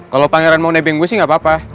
kalau pangeran mau nebeng gue sih gak apa apa